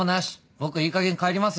僕いいかげん帰りますよ。